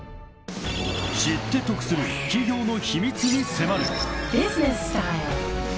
［知って得する企業の秘密に迫る］